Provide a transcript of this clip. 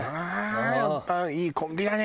やっぱいいコンビだね。